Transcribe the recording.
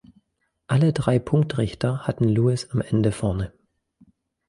Alle drei Punktrichter hatten Lewis am Ende vorne.